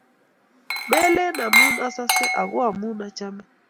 melen omu osose, ako omu ochome